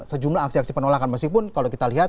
sejumlah aksi aksi penolakan meskipun kalau kita lihat